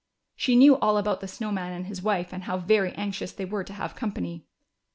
She knew all about the Snow Man and his wife and how very anxious they were to have company.